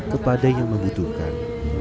kepada yang membutuhkan